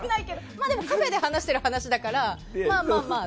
でもカフェで話している話だから、まあまあまあ。